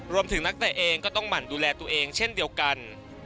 นักเตะเองก็ต้องหมั่นดูแลตัวเองเช่นเดียวกัน